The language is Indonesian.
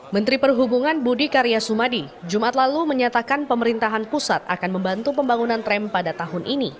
menteri perhubungan budi karya sumadi jumat lalu menyatakan pemerintahan pusat akan membantu pembangunan tram pada tahun ini